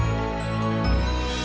itu serge yang sdm nya